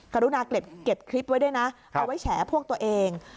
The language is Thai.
กรุณาเก็บคลิปไว้ด้วยนะเอาไว้แฉพวกตัวเอง